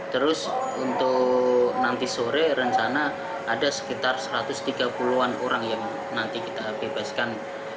terus untuk nanti sore rencana ada sekitar satu ratus tiga puluh an orang yang nanti kita bebaskan